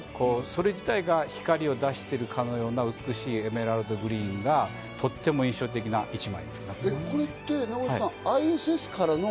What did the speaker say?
それ自体が光を出しているような美しいエメラルドグリーンがとっても印象的これってＩＳＳからの？